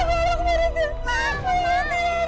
ma aku malam aku malam